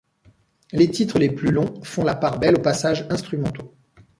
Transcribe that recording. Les titres les plus longs font la part belle aux passages instrumentaux.